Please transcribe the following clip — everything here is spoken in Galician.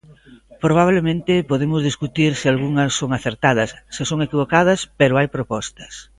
Probablemente podemos discutir se algunhas son acertadas, se son equivocadas, pero hai propostas.